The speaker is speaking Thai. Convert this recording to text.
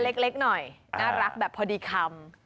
เล็กหน่อยน่ารักแบบพอดีคำ